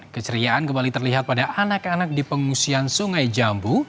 keceriaan kembali terlihat pada anak anak di pengungsian sungai jambu